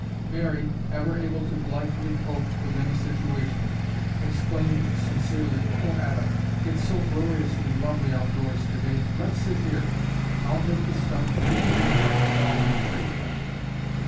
Mary, ever able to blithely cope with any situation, exclaimed sincerely, "Oh, Etta, it's so gloriously lovely outdoors today, let's sit here. I'll take the stump and you two may have the fallen tree."